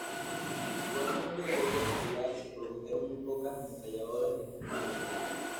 Igualmente poco popular, se produjeron muy pocas ametralladoras de este modelo.